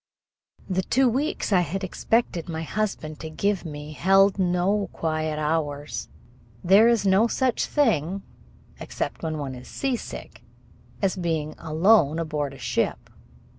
The two weeks I had expected my husband to give me held no quiet hours. There is no such thing, except when one is seasick, as being alone aboard a ship.